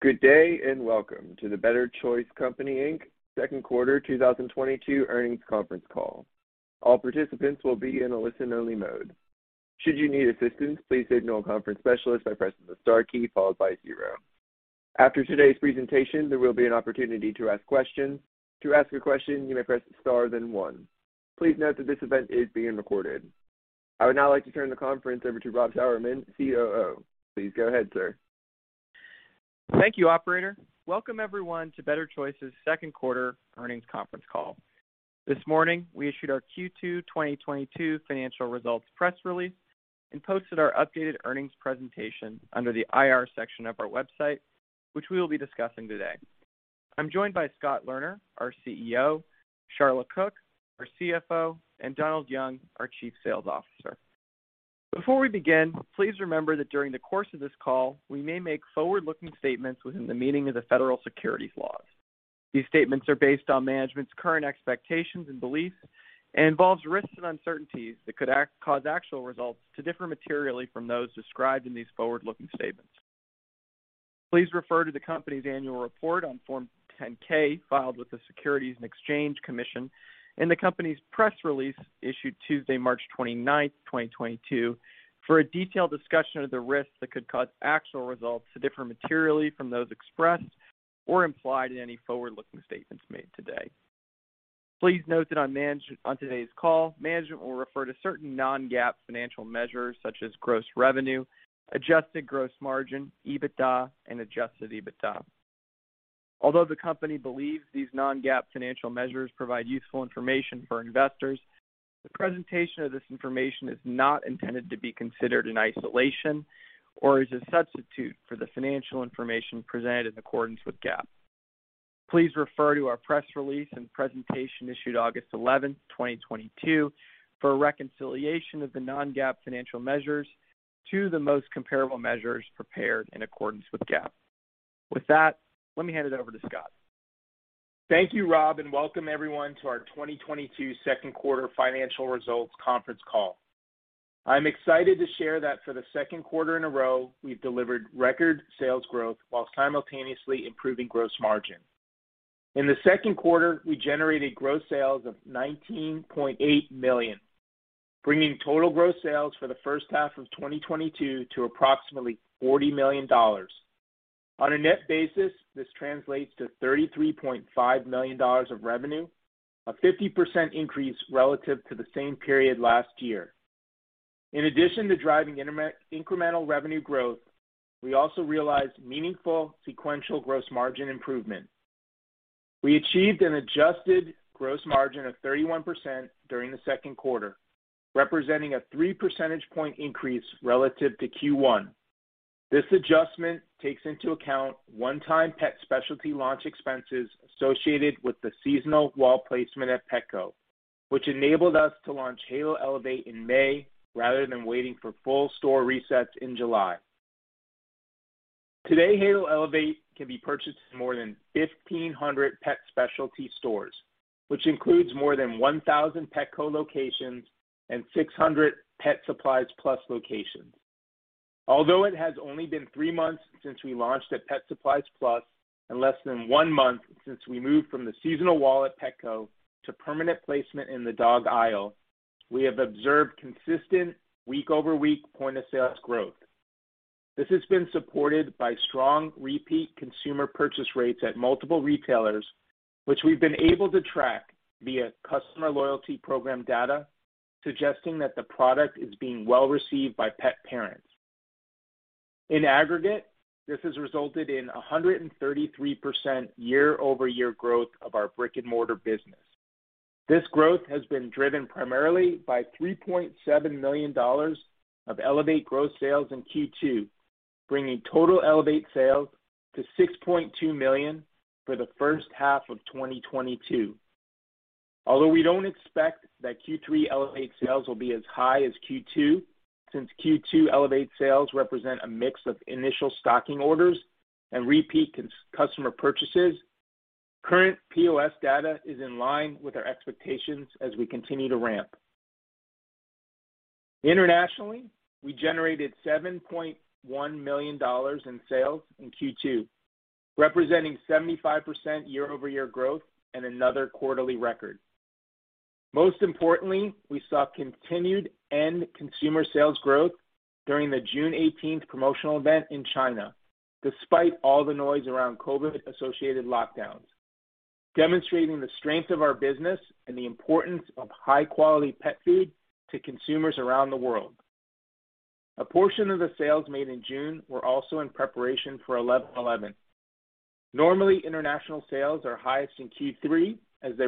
Good day, and welcome to the Better Choice Company Inc. second quarter 2022 earnings conference call. All participants will be in a listen-only mode. Should you need assistance, please signal a conference specialist by pressing the star key followed by zero. After today's presentation, there will be an opportunity to ask questions. To ask a question, you may press star then one. Please note that this event is being recorded. I would now like to turn the conference over to Rob Sauermann, COO. Please go ahead, sir. Thank you, operator. Welcome everyone to Better Choice's second quarter earnings conference call. This morning, we issued our Q2 2022 financial results press release and posted our updated earnings presentation under the IR section of our website, which we will be discussing today. I'm joined by Scott Lerner, our CEO, Sharla Cook, our CFO, and Donald Young, our Chief Sales Officer. Before we begin, please remember that during the course of this call, we may make forward-looking statements within the meaning of the federal securities laws. These statements are based on management's current expectations and beliefs and involve risks and uncertainties that could cause actual results to differ materially from those described in these forward-looking statements. Please refer to the company's annual report on Form 10-K filed with the Securities and Exchange Commission and the company's press release issued Tuesday, March 29, 2022, for a detailed discussion of the risks that could cause actual results to differ materially from those expressed or implied in any forward-looking statements made today. Please note that on today's call, management will refer to certain non-GAAP financial measures such as gross revenue, adjusted gross margin, EBITDA and Adjusted EBITDA. Although the company believes these non-GAAP financial measures provide useful information for investors, the presentation of this information is not intended to be considered in isolation or as a substitute for the financial information presented in accordance with GAAP. Please refer to our press release and presentation issued August 11, 2022, for a reconciliation of the non-GAAP financial measures to the most comparable measures prepared in accordance with GAAP. With that, let me hand it over to Scott. Thank you, Rob, and welcome everyone to our 2022 second quarter financial results conference call. I'm excited to share that for the second quarter in a row, we've delivered record sales growth while simultaneously improving gross margin. In the second quarter, we generated gross sales of $19.8 million, bringing total gross sales for the first half of 2022 to approximately $40 million. On a net basis, this translates to $33.5 million of revenue, a 50% increase relative to the same period last year. In addition to driving incremental revenue growth, we also realized meaningful sequential gross margin improvement. We achieved an adjusted gross margin of 31% during the second quarter, representing a three-percentage point increase relative to Q1. This adjustment takes into account one-time pet specialty launch expenses associated with the seasonal wall placement at Petco, which enabled us to launch Halo Elevate in May, rather than waiting for full store resets in July. Today, Halo Elevate can be purchased in more than 1,500 pet specialty stores, which includes more than 1,000 Petco locations and 600 Pet Supplies Plus locations. Although it has only been 3 months since we launched at Pet Supplies Plus and less than 1 month since we moved from the seasonal wall at Petco to permanent placement in the dog aisle, we have observed consistent week-over-week point of sales growth. This has been supported by strong repeat consumer purchase rates at multiple retailers, which we've been able to track via customer loyalty program data, suggesting that the product is being well-received by pet parents. In aggregate, this has resulted in 133% year-over-year growth of our brick-and-mortar business. This growth has been driven primarily by $3.7 million of Elevate gross sales in Q2, bringing total Elevate sales to $6.2 million for the first half of 2022. Although we don't expect that Q3 Elevate sales will be as high as Q2, since Q2 Elevate sales represent a mix of initial stocking orders and repeat customer purchases, current POS data is in line with our expectations as we continue to ramp. Internationally, we generated $7.1 million in sales in Q2, representing 75% year-over-year growth and another quarterly record. Most importantly, we saw continued end consumer sales growth during the 6.18 promotional event in China, despite all the noise around COVID-associated lockdowns, demonstrating the strength of our business and the importance of high-quality pet food to consumers around the world. A portion of the sales made in June were also in preparation for 11.11. Normally, international sales are highest in Q3 as they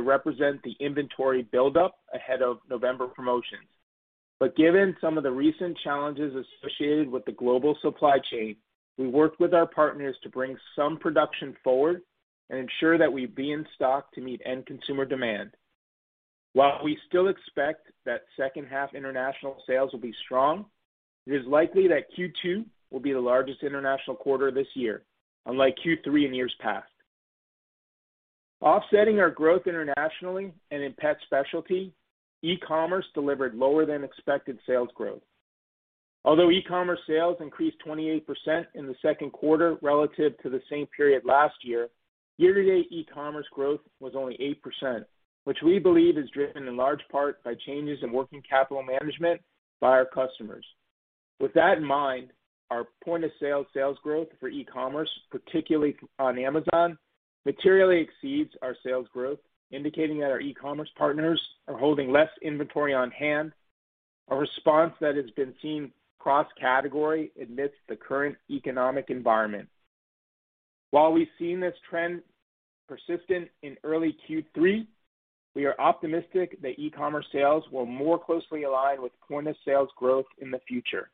represent the inventory buildup ahead of November promotions. Given some of the recent challenges associated with the global supply chain, we worked with our partners to bring some production forward and ensure that we be in stock to meet end consumer demand. While we still expect that second half international sales will be strong, it is likely that Q2 will be the largest international quarter this year, unlike Q3 in years past. Offsetting our growth internationally and in pet specialty, e-commerce delivered lower than expected sales growth. Although e-commerce sales increased 28% in the second quarter relative to the same period last year-to-date e-commerce growth was only 8%, which we believe is driven in large part by changes in working capital management by our customers. With that in mind, our point-of-sale sales growth for e-commerce, particularly on Amazon, materially exceeds our sales growth, indicating that our e-commerce partners are holding less inventory on hand, a response that has been seen cross-category amidst the current economic environment. While we've seen this trend persistent in early Q3, we are optimistic that e-commerce sales will more closely align with point-of-sale growth in the future.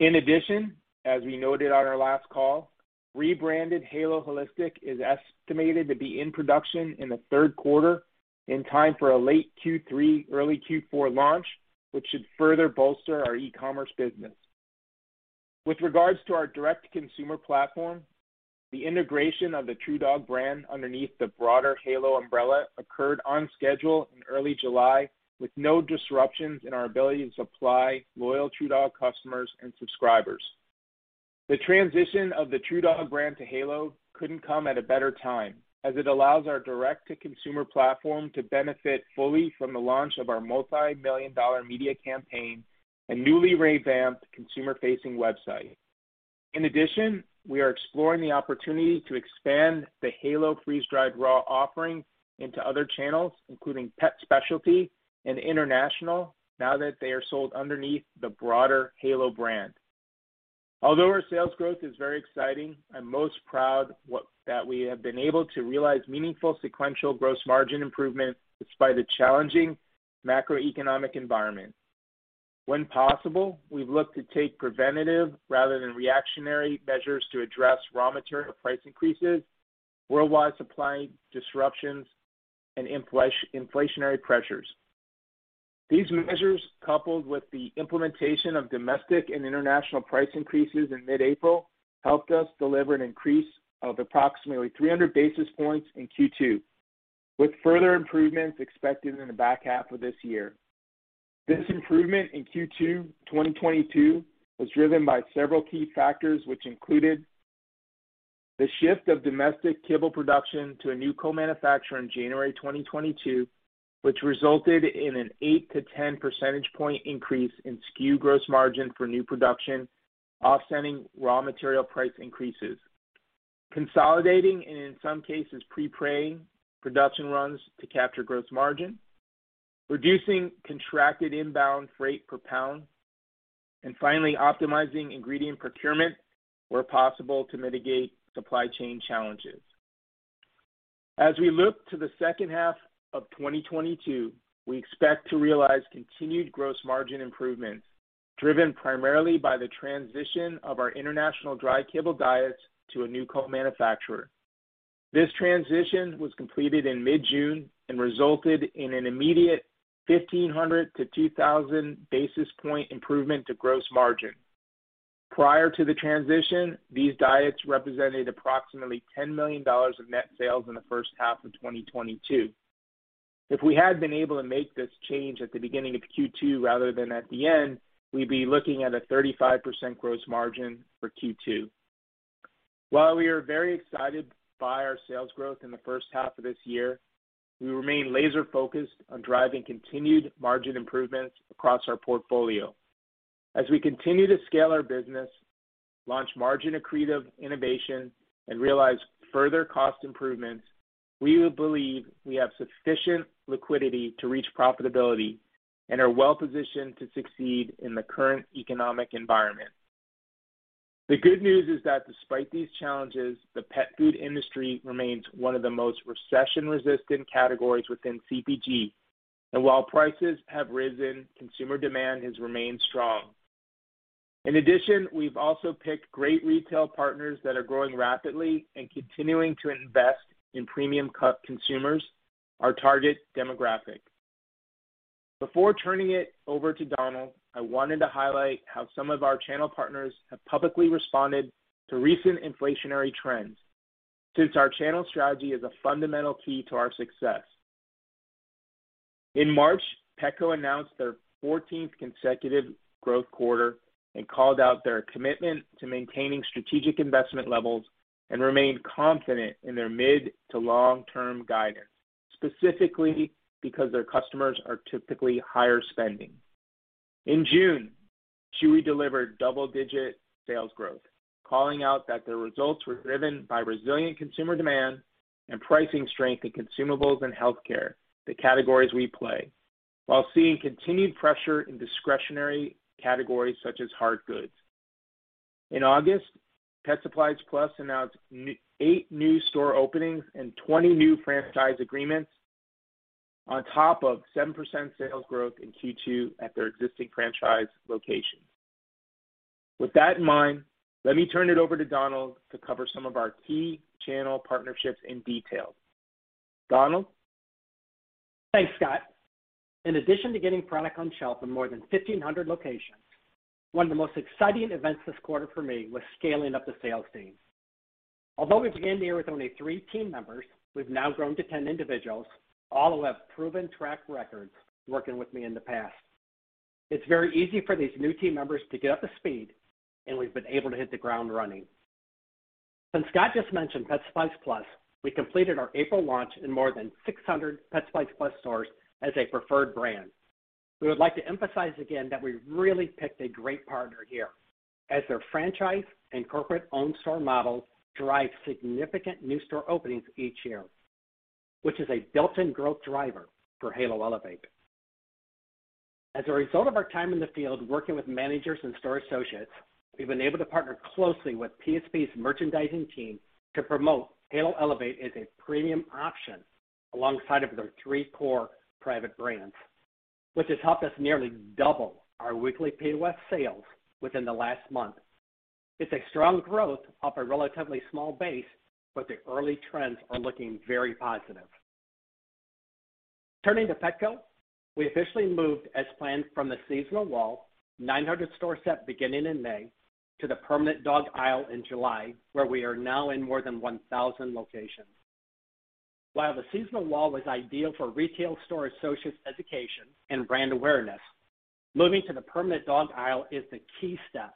In addition, as we noted on our last call, rebranded Halo Holistic is estimated to be in production in the third quarter in time for a late Q3, early Q4 launch, which should further bolster our e-commerce business. With regards to our direct consumer platform, the integration of the TruDog brand underneath the broader Halo umbrella occurred on schedule in early July, with no disruptions in our ability to supply loyal TruDog customers and subscribers. The transition of the TruDog brand to Halo couldn't come at a better time as it allows our direct-to-consumer platform to benefit fully from the launch of our multimillion-dollar media campaign and newly revamped consumer-facing website. In addition, we are exploring the opportunity to expand the Halo freeze-dried raw offering into other channels, including pet specialty and international, now that they are sold underneath the broader Halo brand. Although our sales growth is very exciting, I'm most proud that we have been able to realize meaningful sequential gross margin improvement despite the challenging macroeconomic environment. When possible, we've looked to take preventative rather than reactionary measures to address raw material price increases, worldwide supply disruptions, and inflationary pressures. These measures, coupled with the implementation of domestic and international price increases in mid-April, helped us deliver an increase of approximately 300 basis points in Q2, with further improvements expected in the back half of this year. This improvement in Q2 2022 was driven by several key factors, which included the shift of domestic kibble production to a new co-manufacturer in January 2022, which resulted in an 8-10 percentage point increase in SKU gross margin for new production, offsetting raw material price increases. Consolidating, and in some cases, pre-buying production runs to capture gross margin, reducing contracted inbound freight per pound, and finally, optimizing ingredient procurement where possible to mitigate supply chain challenges. As we look to the second half of 2022, we expect to realize continued gross margin improvements driven primarily by the transition of our international dry kibble diets to a new co-manufacturer. This transition was completed in mid-June and resulted in an immediate 1,500-2,000 basis point improvement to gross margin. Prior to the transition, these diets represented approximately $10 million of net sales in the first half of 2022. If we had been able to make this change at the beginning of Q2 rather than at the end, we'd be looking at a 35% gross margin for Q2. While we are very excited by our sales growth in the first half of this year, we remain laser-focused on driving continued margin improvements across our portfolio. As we continue to scale our business, launch margin accretive innovation, and realize further cost improvements, we believe we have sufficient liquidity to reach profitability and are well-positioned to succeed in the current economic environment. The good news is that despite these challenges, the pet food industry remains one of the most recession-resistant categories within CPG. While prices have risen, consumer demand has remained strong. In addition, we've also picked great retail partners that are growing rapidly and continuing to invest in premium pet consumers, our target demographic. Before turning it over to Donald, I wanted to highlight how some of our channel partners have publicly responded to recent inflationary trends since our channel strategy is a fundamental key to our success. In March, Petco announced their 14th consecutive growth quarter and called out their commitment to maintaining strategic investment levels and remained confident in their mid- to long-term guidance, specifically because their customers are typically higher spending. In June, Chewy delivered double-digit sales growth, calling out that their results were driven by resilient consumer demand and pricing strength in consumables and healthcare, the categories we play, while seeing continued pressure in discretionary categories such as hard goods. In August, Pet Supplies Plus announced eight new store openings and 20 new franchise agreements on top of 7% sales growth in Q2 at their existing franchise locations. With that in mind, let me turn it over to Donald to cover some of our key channel partnerships in detail. Donald? Thanks, Scott. In addition to getting product on shelf in more than 1,500 locations, one of the most exciting events this quarter for me was scaling up the sales team. Although we began the year with only three team members, we've now grown to 10 individuals, all who have proven track records working with me in the past. It's very easy for these new team members to get up to speed, and we've been able to hit the ground running. Since Scott just mentioned Pet Supplies Plus, we completed our April launch in more than 600 Pet Supplies Plus stores as a preferred brand. We would like to emphasize again that we really picked a great partner here, as their franchise and corporate-owned store models drive significant new store openings each year, which is a built-in growth driver for Halo Elevate. As a result of our time in the field working with managers and store associates, we've been able to partner closely with PSP's merchandising team to promote Halo Elevate as a premium option alongside of their three core private brands, which has helped us nearly double our weekly POS sales within the last month. It's a strong growth off a relatively small base, but the early trends are looking very positive. Turning to Petco, we officially moved as planned from the seasonal wall, 900 store set beginning in May, to the permanent dog aisle in July, where we are now in more than 1,000 locations. While the seasonal wall was ideal for retail store associates' education and brand awareness, moving to the permanent dog aisle is the key step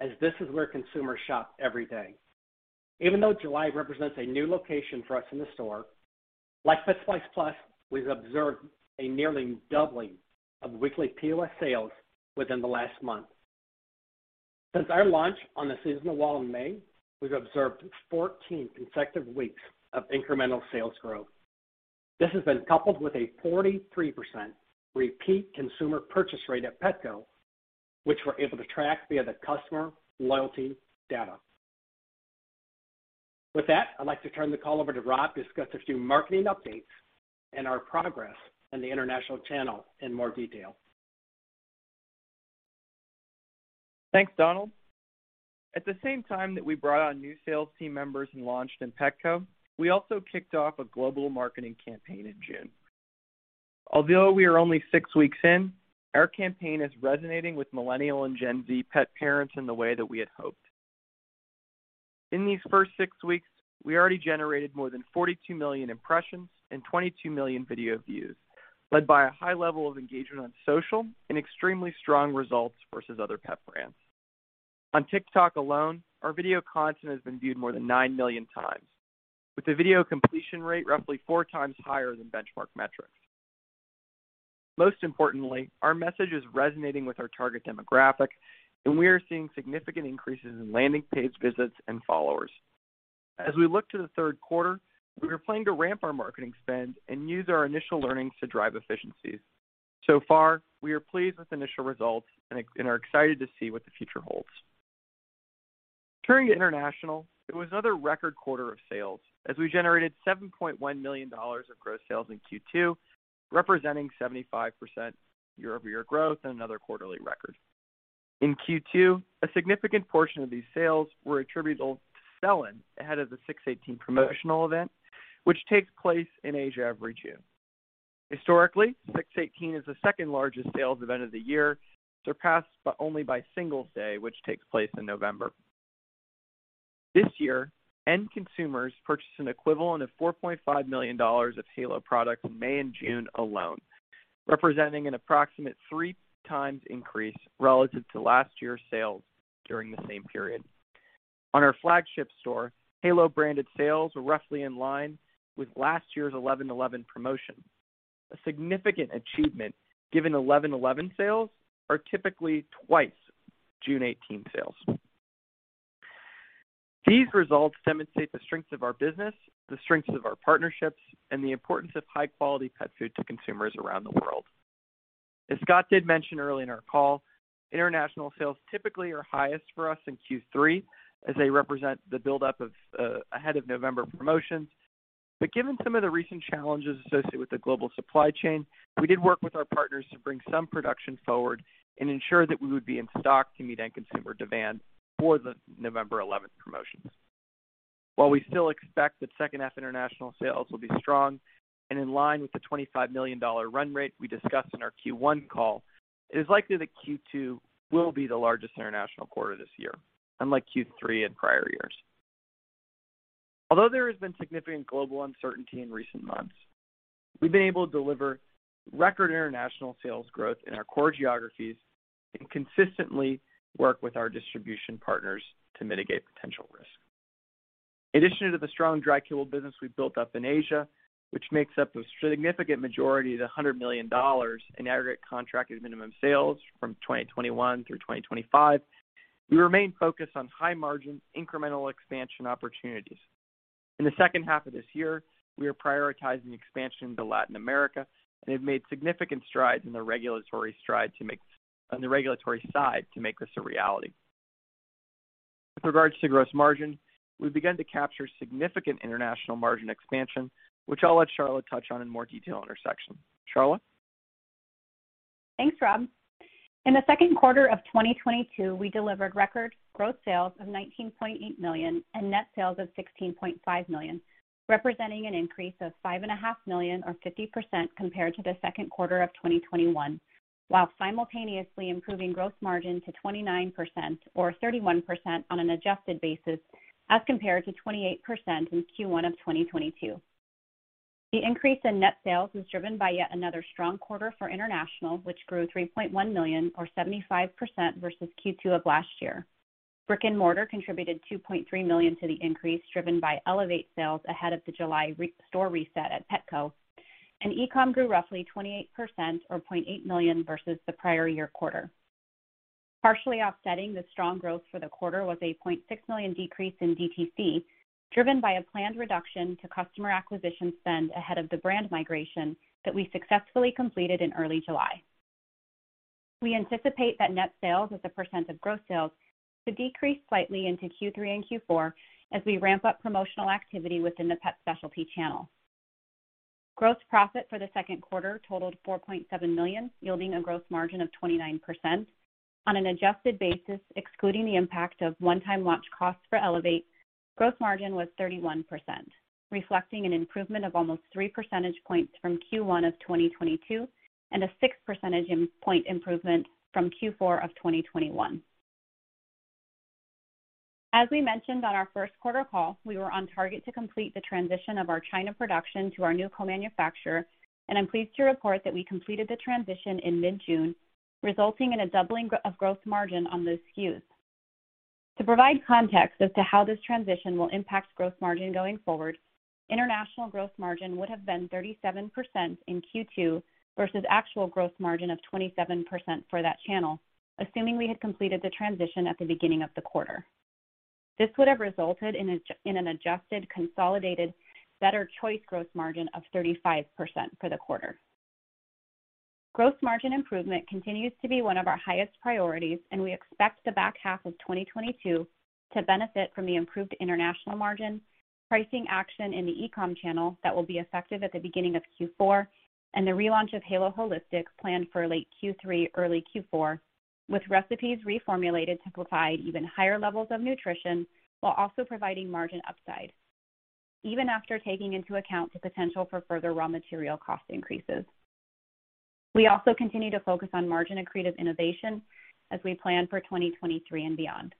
as this is where consumers shop every day. Even though July represents a new location for us in the store, like Pet Supplies Plus, we've observed a nearly doubling of weekly POS sales within the last month. Since our launch on the seasonal wall in May, we've observed 14 consecutive weeks of incremental sales growth. This has been coupled with a 43% repeat consumer purchase rate at Petco, which we're able to track via the customer loyalty data. With that, I'd like to turn the call over to Rob to discuss a few marketing updates and our progress in the international channel in more detail. Thanks, Donald. At the same time that we brought on new sales team members and launched in Petco, we also kicked off a global marketing campaign in June. Although we are only six weeks in, our campaign is resonating with Millennial and Gen Z pet parents in the way that we had hoped. In these first six weeks, we already generated more than 42 million impressions and 22 million video views, led by a high level of engagement on social and extremely strong results versus other pet brands. On TikTok alone, our video content has been viewed more than 9 million times, with the video completion rate roughly four times higher than benchmark metrics. Most importantly, our message is resonating with our target demographic, and we are seeing significant increases in landing page visits and followers. As we look to the third quarter, we are planning to ramp our marketing spend and use our initial learnings to drive efficiencies. Far, we are pleased with initial results and are excited to see what the future holds. Turning to international, it was another record quarter of sales as we generated $7.1 million of gross sales in Q2, representing 75% year-over-year growth and another quarterly record. In Q2, a significant portion of these sales were attributable to sell-in ahead of the 6.18 promotional event, which takes place in Asia every June. Historically, 6.18 is the second-largest sales event of the year, surpassed only by Singles' Day, which takes place in November. This year, end consumers purchased an equivalent of $4.5 million of Halo products in May and June alone, representing an approximate 3 times increase relative to last year's sales during the same period. On our flagship store, Halo-branded sales were roughly in line with last year's 11.11 promotion, a significant achievement given 11.11 sales are typically twice 6.18 sales. These results demonstrate the strengths of our business, the strengths of our partnerships, and the importance of high-quality pet food to consumers around the world. As Scott did mention early in our call, international sales typically are highest for us in Q3 as they represent the buildup ahead of November promotions. Given some of the recent challenges associated with the global supply chain, we did work with our partners to bring some production forward and ensure that we would be in stock to meet end consumer demand for the November 11th promotions. While we still expect that second half international sales will be strong and in line with the $25 million run rate we discussed in our Q1 call, it is likely that Q2 will be the largest international quarter this year, unlike Q3 in prior years. Although there has been significant global uncertainty in recent months, we've been able to deliver record international sales growth in our core geographies and consistently work with our distribution partners to mitigate potential risk. In addition to the strong dry kibble business we've built up in Asia, which makes up a significant majority of the $100 million in aggregate contracted minimum sales from 2021 through 2025, we remain focused on high-margin, incremental expansion opportunities. In the second half of this year, we are prioritizing expansion into Latin America, and they've made significant strides on the regulatory side to make this a reality. With regards to gross margin, we've begun to capture significant international margin expansion, which I'll let Sharla touch on in more detail in her section. Sharla? Thanks, Rob. In the second quarter of 2022, we delivered record gross sales of $19.8 million and net sales of $16.5 million, representing an increase of $5.5 million or 50% compared to the second quarter of 2021, while simultaneously improving gross margin to 29% or 31% on an adjusted basis as compared to 28% in Q1 of 2022. The increase in net sales was driven by yet another strong quarter for international, which grew $3.1 million or 75% versus Q2 of last year. Brick-and-mortar contributed $2.3 million to the increase, driven by Elevate sales ahead of the July store reset at Petco, and e-com grew roughly 28% or $0.8 million versus the prior year quarter. Partially offsetting the strong growth for the quarter was a $0.6 million decrease in DTC, driven by a planned reduction to customer acquisition spend ahead of the brand migration that we successfully completed in early July. We anticipate that net sales as a percent of gross sales to decrease slightly into Q3 and Q4 as we ramp up promotional activity within the pet specialty channel. Gross profit for the second quarter totaled $4.7 million, yielding a gross margin of 29%. On an adjusted basis, excluding the impact of one-time launch costs for Elevate, gross margin was 31%, reflecting an improvement of almost 3 percentage points from Q1 of 2022 and a 6 percentage point improvement from Q4 of 2021. As we mentioned on our first quarter call, we were on target to complete the transition of our China production to our new co-manufacturer, and I'm pleased to report that we completed the transition in mid-June, resulting in a doubling of gross margin on those SKUs. To provide context as to how this transition will impact gross margin going forward, international gross margin would have been 37% in Q2 versus actual gross margin of 27% for that channel, assuming we had completed the transition at the beginning of the quarter. This would have resulted in an adjusted, consolidated, Better Choice gross margin of 35% for the quarter. Gross margin improvement continues to be one of our highest priorities, and we expect the back half of 2022 to benefit from the improved international margin, pricing action in the e-com channel that will be effective at the beginning of Q4, and the relaunch of Halo Holistic planned for late Q3, early Q4 with recipes reformulated to provide even higher levels of nutrition while also providing margin upside, even after taking into account the potential for further raw material cost increases. We also continue to focus on margin-accretive innovation as we plan for 2023 and beyond.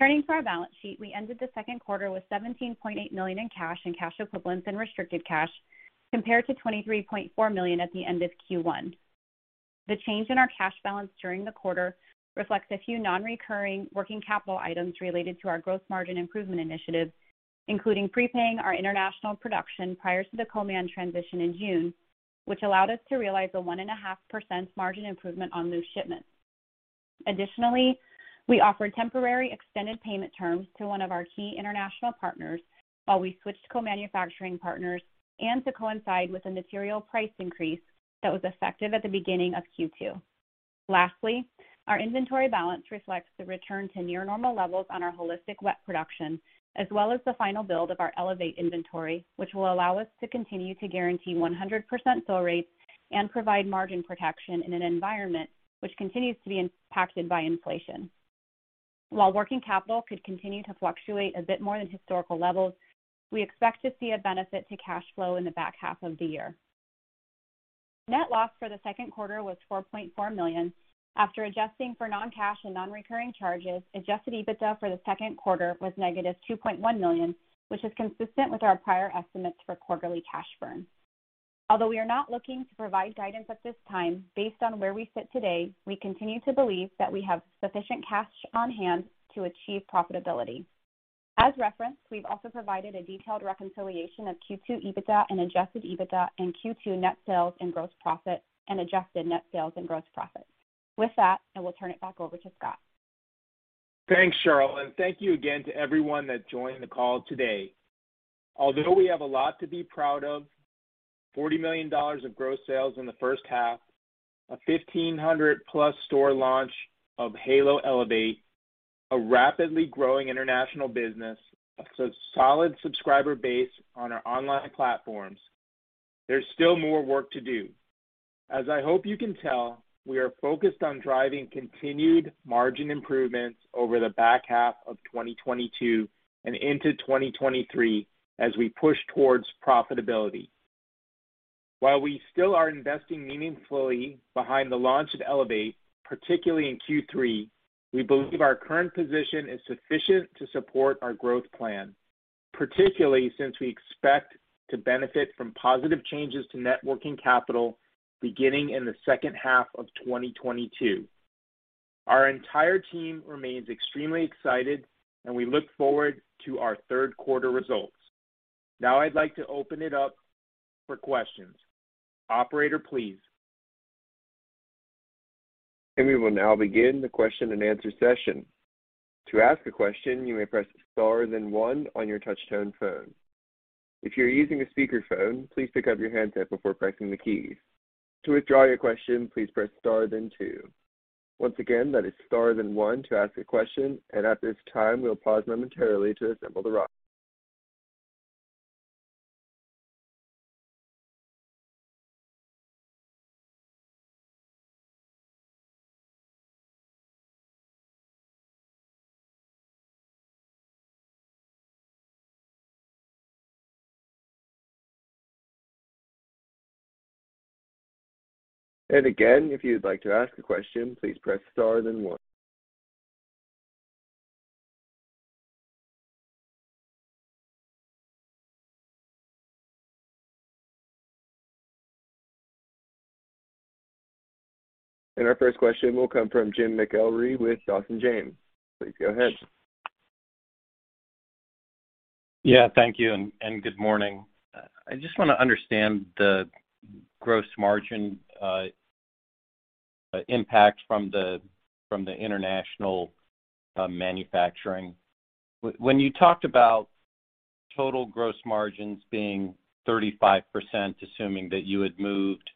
Turning to our balance sheet, we ended the second quarter with $17.8 million in cash and cash equivalents and restricted cash compared to $23.4 million at the end of Q1. The change in our cash balance during the quarter reflects a few non-recurring working capital items related to our growth margin improvement initiatives, including prepaying our international production prior to the co-man transition in June, which allowed us to realize a 1.5% margin improvement on loose shipments. Additionally, we offered temporary extended payment terms to one of our key international partners while we switched co-manufacturing partners and to coincide with a material price increase that was effective at the beginning of Q2. Lastly, our inventory balance reflects the return to near normal levels on our Halo Holistic wet production as well as the final build of our Halo Elevate inventory, which will allow us to continue to guarantee 100% fill rates and provide margin protection in an environment which continues to be impacted by inflation. While working capital could continue to fluctuate a bit more than historical levels, we expect to see a benefit to cash flow in the back half of the year. Net loss for the second quarter was $4.4 million. After adjusting for non-cash and non-recurring charges, Adjusted EBITDA for the second quarter was -$2.1 million, which is consistent with our prior estimates for quarterly cash burn. Although we are not looking to provide guidance at this time, based on where we sit today, we continue to believe that we have sufficient cash on-hand to achieve profitability. As referenced, we've also provided a detailed reconciliation of Q2 EBITDA and Adjusted EBITDA and Q2 net sales and gross profit and adjusted net sales and gross profit. With that, I will turn it back over to Scott. Thanks, Sharla, and thank you again to everyone that joined the call today. Although we have a lot to be proud of, $40 million of gross sales in the first half, a 1,500+ store launch of Halo Elevate, a rapidly growing international business, a solid subscriber base on our online platforms, there's still more work to do. As I hope you can tell, we are focused on driving continued margin improvements over the back half of 2022 and into 2023 as we push towards profitability. While we still are investing meaningfully behind the launch of Elevate, particularly in Q3, we believe our current position is sufficient to support our growth plan, particularly since we expect to benefit from positive changes to net working capital beginning in the second half of 2022. Our entire team remains extremely excited, and we look forward to our third quarter results. Now I'd like to open it up for questions. Operator, please. We will now begin the question-and-answer session. To ask a question, you may press star, then one on your touch tone phone. If you're using a speaker phone, please pick up your handset before pressing the keys. To withdraw your question, please press star then two. Once again, that is star then one to ask a question. At this time, we'll pause momentarily to assemble the roster. Again, if you would like to ask a question, please press star then one. Our first question will come from Jim McIlree with Dawson James. Please go ahead. Yeah. Thank you and good morning. I just wanna understand the gross margin impact from the international manufacturing. When you talked about total gross margins being 35%, assuming that you had moved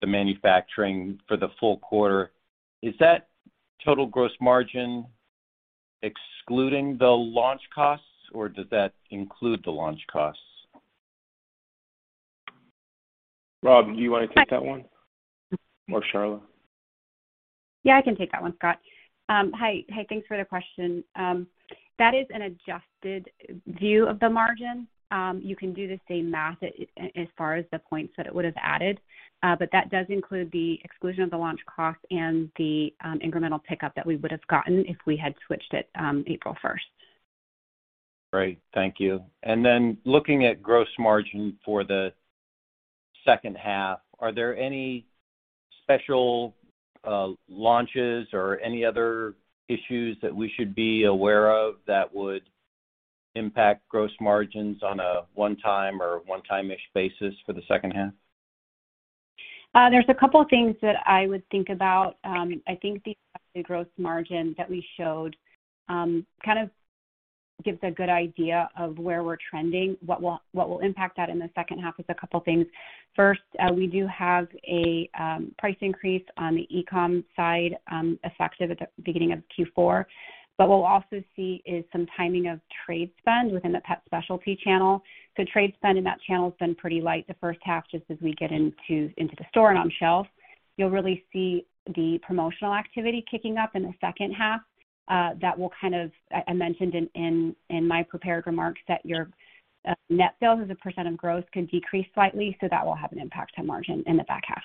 the manufacturing for the full quarter, is that total gross margin excluding the launch costs or does that include the launch costs? Rob, do you wanna take that one? Or Sharla? Yeah, I can take that one, Scott. Hi, thanks for the question. That is an adjusted view of the margin. You can do the same math as far as the points that it would have added. That does include the exclusion of the launch cost and the incremental pickup that we would have gotten if we had switched it April first. Great. Thank you. Looking at gross margin for the second half, are there any special launches or any other issues that we should be aware of that would impact gross margins on a one-time or one-time-ish basis for the second half? There's a couple of things that I would think about. I think the gross margin that we showed, kind of gives a good idea of where we're trending. What will impact that in the second half is a couple things. First, we do have a price increase on the e-com side, effective at the beginning of Q4. What we'll also see is some timing of trade spend within the pet specialty channel. Trade spend in that channel has been pretty light the first half just as we get into the store and on shelf. You'll really see the promotional activity kicking up in the second half. That will kind of. I mentioned in my prepared remarks that your net sales as a percent of growth can decrease slightly, so that will have an impact on margin in the back half.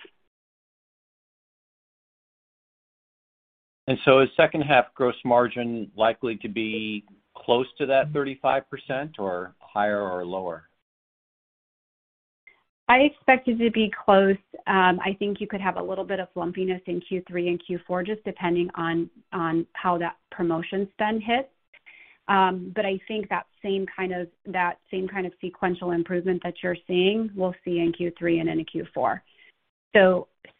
Is second half gross margin likely to be close to that 35% or higher or lower? I expect it to be close. I think you could have a little bit of lumpiness in Q3 and Q4 just depending on how that promotion spend hits. I think that same kind of sequential improvement that you're seeing, we'll see in Q3 and into Q4.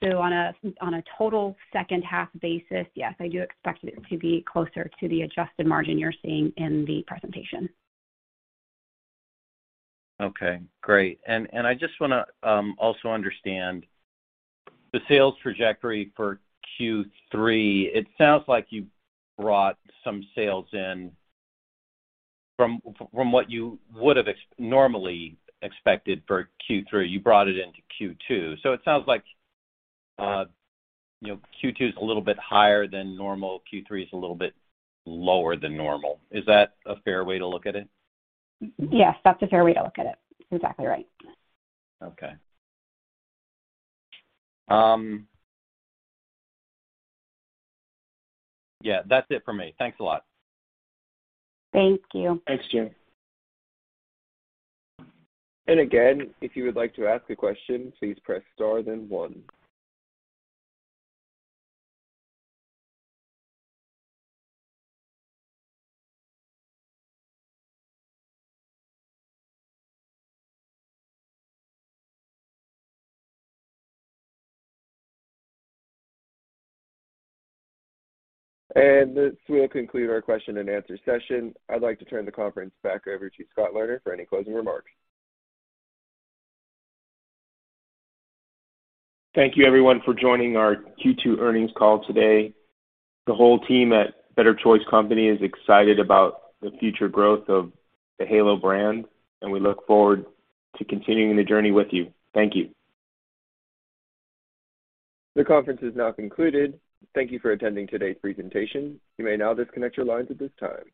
On a total second half basis, yes, I do expect it to be closer to the adjusted margin you're seeing in the presentation. Okay, great. I just wanna also understand the sales trajectory for Q3. It sounds like you brought some sales in from what you would have normally expected for Q3. You brought it into Q2. It sounds like you know Q2 is a little bit higher than normal. Q3 is a little bit lower than normal. Is that a fair way to look at it? Yes, that's a fair way to look at it. Exactly right. Okay. Yeah, that's it for me. Thanks a lot. Thank you. Thanks, Jim. Again, if you would like to ask a question, please press star then one. This will conclude our question-and-answer session. I'd like to turn the conference back over to Scott Lerner for any closing remarks. Thank you everyone for joining our Q2 earnings call today. The whole team at Better Choice Company is excited about the future growth of the Halo brand, and we look forward to continuing the journey with you. Thank you. The conference is now concluded. Thank you for attending today's presentation. You may now disconnect your lines at this time.